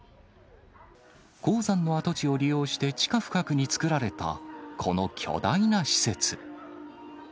鉱山の跡地を利用して地下深くに作られた、この巨大な施設。